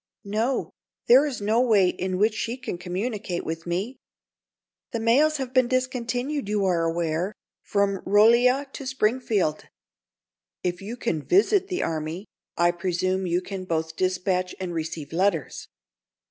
"No. There is no way in which she can communicate with me. The mails have been discontinued, you are aware, from Rolla to Springfield." "If you can visit the army, I presume you can both dispatch and receive letters.